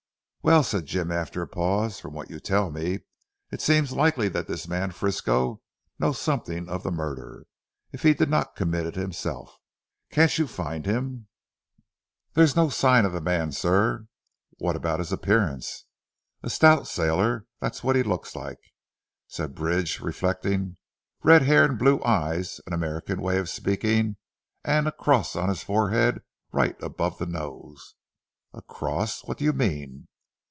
"Well!" said Jim after a pause. "From what you tell me, it seems likely that this man Frisco knows something of the murder, if he did not commit it himself. Can't you find him?" "There is no sign of the man sir." "What about his appearance?" "A stout sailor, that's what he looked like," said Bridge reflecting, "red hair and blue eyes, an American way of speaking, and a cross on his forehead right above the nose." "A cross! What do you mean?"